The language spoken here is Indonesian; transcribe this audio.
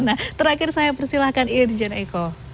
nah terakhir saya persilahkan irjen eko